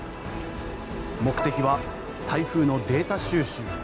目的は台風のデータ収集。